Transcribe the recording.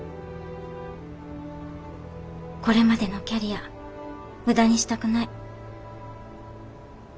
これまでのキャリア無駄にしたくない。